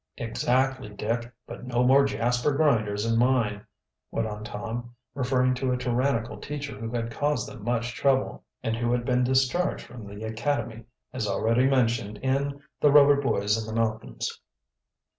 "Exactly, Dick. But no more Jasper Grinders in mine," went on Tom, referring to a tyrannical teacher who had caused them much trouble, and who had been discharged from the academy, as already mentioned in "The Rover Boys in the Mountains."